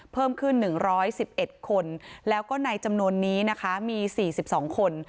เพิ่มขึ้น๑๑๑คนแล้วก็ในจำนวนนี้นะคะมี๔๒คน